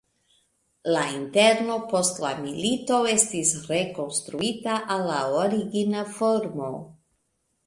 La interno post la milito estis rekonstruita al la origina formo.